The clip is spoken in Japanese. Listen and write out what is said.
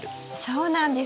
そうなんです。